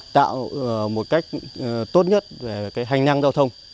tạo một cách tốt nhất về hành năng giao thông